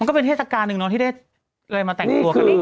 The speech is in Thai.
ก็เป็นเทศกาลหนึ่งเนาะที่ได้เลยมาแต่งตัวกัน